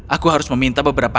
aku harus meminta beberapa